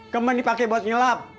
kembali pakai buat nyelap